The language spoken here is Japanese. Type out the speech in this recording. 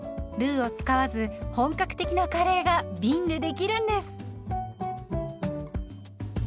ルウを使わず本格的なカレーがびんでできるんです！